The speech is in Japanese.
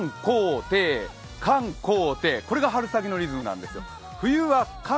寒、高、低これが春先のリズムなんです。